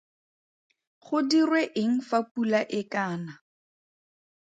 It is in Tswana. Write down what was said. Go dirwe eng fa pula e ka na?